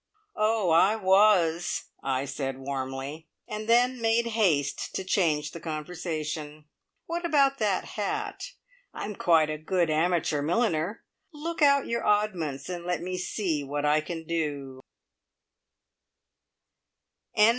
"Oh, I was!" I said warmly, and then made haste to change the conversation. "What about that hat? I'm quite a good amateur milliner. Look out your oddments and let me see what I can do."